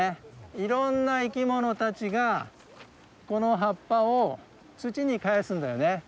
いろんな生き物たちがこの葉っぱを土にかえすんだよね。